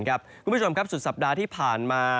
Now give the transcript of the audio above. คุณผู้ชมครับสุดสัปดาห์ที่ผ่านมา